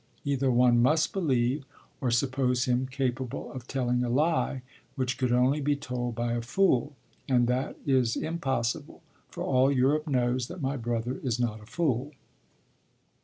Either one must believe, or suppose him capable of telling a lie which could only be told by a fool; and that is impossible, for all Europe knows that my brother is not a fool.